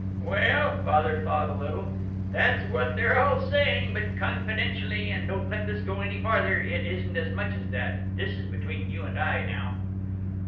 "Well," and Father thawed a little, "that's what they're all saying, but, confidentially, and don't let this go any further, it isn't as much as that. This is between you and I, now."